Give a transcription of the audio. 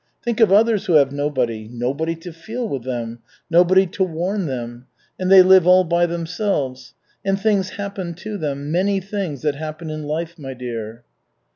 Think of others who have nobody. Nobody to feel with them, nobody to warn them. And they live all by themselves. And things happen to them many things that happen in life, my dear."